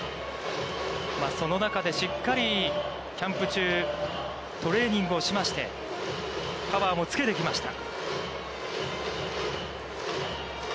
その中でしっかりキャンプ中、トレーニングをしまして、パワーもつけてきました。